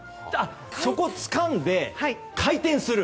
そこをつかんで回転する。